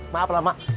maaf lah mak